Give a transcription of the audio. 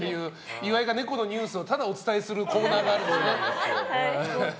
岩井がネコのニュースをただお伝えするコーナーがあるんです。